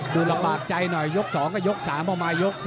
ดูละบาปใจหน่อยยก๒ก็ยก๓ประมาณยก๔